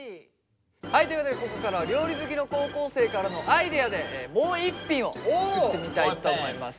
はいということでここからは料理好きの高校生からのアイデアでもう一品を作ってみたいと思います。